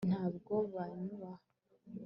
ntabwo banyubaha